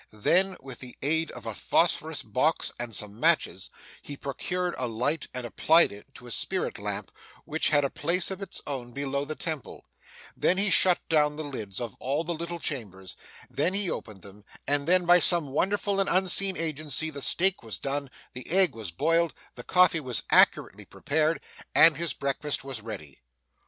Then, with the aid of a phosphorus box and some matches, he procured a light and applied it to a spirit lamp which had a place of its own below the temple; then, he shut down the lids of all the little chambers; then he opened them; and then, by some wonderful and unseen agency, the steak was done, the egg was boiled, the coffee was accurately prepared, and his breakfast was ready.